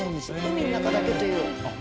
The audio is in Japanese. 海の中だけという。